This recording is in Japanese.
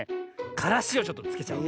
からしをちょっとつけちゃう。